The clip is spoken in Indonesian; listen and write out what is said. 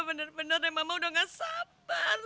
bener bener ya mama udah gak sabar